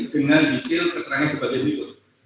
dengan detail keterangan sebagai berikut